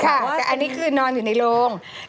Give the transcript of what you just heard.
แต่อันนี้คือนอนอยู่ในโรง